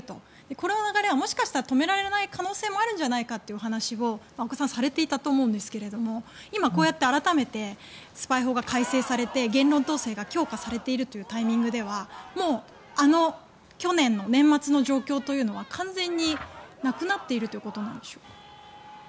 この流れはもしかしたら止められない可能性があるという話を阿古さんされていたと思うんですが今、こうやって改めてスパイ法が改正されて言論統制が強化されているタイミングではもう、あの去年の年末の状況というのは完全になくなっているということなんでしょうか？